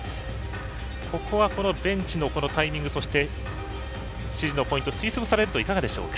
ここはベンチのタイミング指示のポイント推測されるといかがでしょうか？